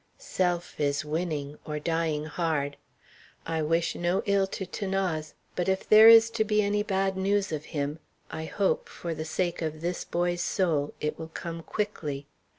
"Self is winning, or dying hard. I wish no ill to 'Thanase; but if there is to be any bad news of him, I hope, for the sake of this boy's soul, it will come quickly."